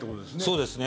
そうですね。